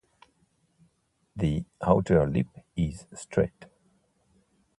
The outer lip is straight.